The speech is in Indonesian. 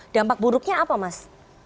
dampak buruknya apa mas